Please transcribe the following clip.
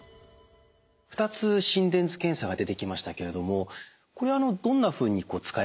２つ心電図検査が出てきましたけれどもこれどんなふうに使い分けるんですか？